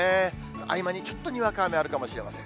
合間にちょっとにわか雨あるかもしれません。